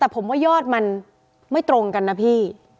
แต่ผมว่ายอดมันไม่ตรงกันนะพี่